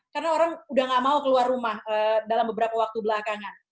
karena orang udah gak mau keluar rumah dalam beberapa waktu belakangan